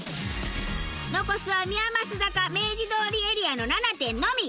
残すは宮益坂・明治通りエリアの７店のみ。